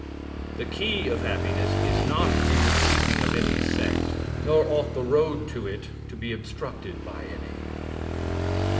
"The key of happiness is not in the keeping of any sect, nor ought the road to it to be obstructed by any.